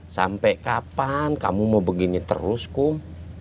sampai kapan kamu mau begini terus kum